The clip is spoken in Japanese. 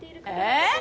えっ！？